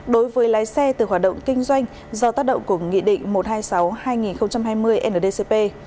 đối với lái xe từ hoạt động kinh doanh do tác động của nghị định một trăm hai mươi sáu hai nghìn hai mươi ndcp